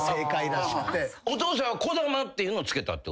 お父さんはこだまっていうのを付けたってこと？